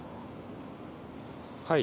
はい。